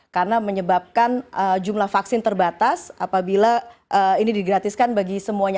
karena menyebabkan jumlah vaksin terbatas apabila ini digratiskan bagi semuanya